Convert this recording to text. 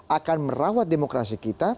akan merawat demokrasi kita